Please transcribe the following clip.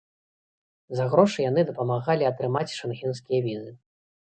За грошы яны дапамагалі атрымаць шэнгенскія візы.